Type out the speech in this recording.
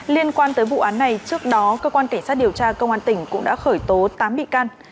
liên quan tới vụ án này trước đó cơ quan cảnh sát điều tra công an tỉnh cũng đã khởi tố tám bị can